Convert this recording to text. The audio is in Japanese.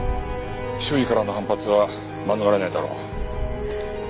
周囲からの反発は免れないだろう。